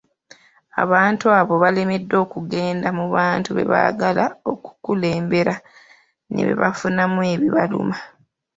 Abantu abo balemeddwa okugenda mu bantu bebaagala okukulembera ne babafunamu ebibaluma.